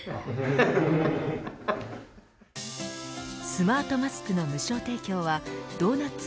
スマートマスクの無償提供はドーナッツ